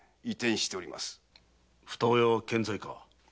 二親は健在か？